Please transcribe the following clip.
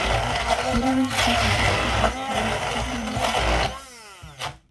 Хэрэв энэ хатанд таалагдахгүй бол таныг хэцүүхэн юм хүлээх болно.